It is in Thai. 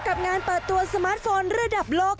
กับงานเปิดตัวสมาร์ทโฟนระดับโลก